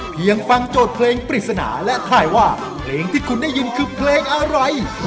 ฟังโจทย์เพลงปริศนาและถ่ายว่าเพลงที่คุณได้ยินคือเพลงอะไร